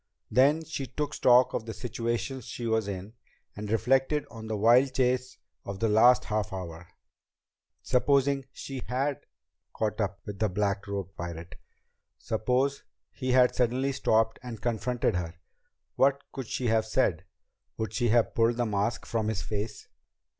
Then she took stock of the situation she was in, and reflected on the wild chase of the last half hour. Supposing she had caught up with the black robed pirate? Suppose he had suddenly stopped and confronted her? What could she have said? Would she have pulled the mask from his face?